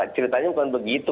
ceritanya bukan begitu